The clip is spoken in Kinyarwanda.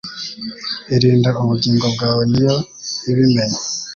Irinda ubugingo bwawe ni yo ibimenya.